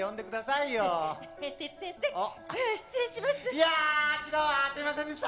いや昨日はすいませんでした。